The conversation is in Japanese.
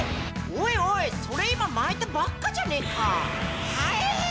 おいおいそれ今巻いたばっかじゃねえかはええっ！